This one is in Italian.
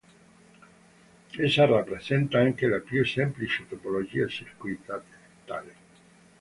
Essa rappresenta anche la più semplice topologia circuitale.